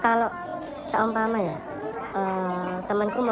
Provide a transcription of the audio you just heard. kalau seampamanya temanku mau daftar